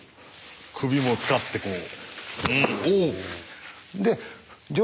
首も使ってこう。